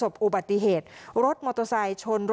ขึ้นค่ะ